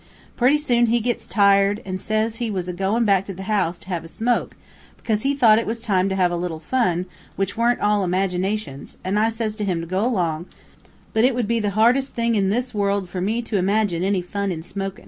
Pretty soon he gets tired an' says he was agoin' back to the house to have a smoke because he thought it was time to have a little fun which weren't all imaginations, an' I says to him to go along, but it would be the hardest thing in this world for me to imagine any fun in smokin'.